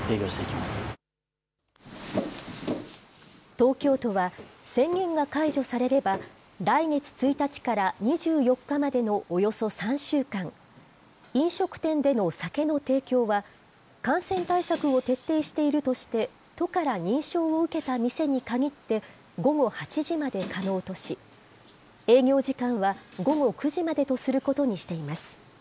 東京都は、宣言が解除されれば、来月１日から２４日までのおよそ３週間、飲食店での酒の提供は、感染対策を徹底しているとして、都から認証を受けた店に限って、午後８時まで可能とし、営業時間は午後９時までとすることにしています。